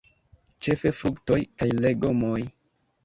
Ĉefe fruktoj kaj legomoj.